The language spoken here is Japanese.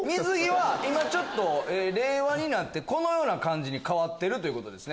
令和になってこのような感じに変わってるということですね。